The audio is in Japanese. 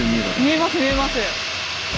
見えます見えます。